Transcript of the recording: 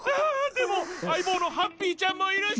でも相棒のハッピーちゃんもいるし。